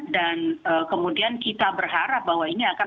dan kemudian kita berharap bahwa ini akan